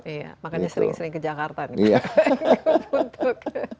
makanya sering sering ke jakarta nih pak guf untuk